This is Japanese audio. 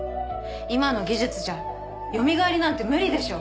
今の技術じゃよみがえりなんて無理でしょ。